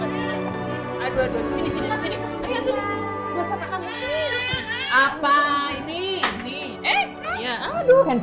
sini sini makasih makasih